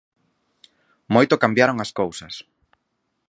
Moito cambaron as cousas.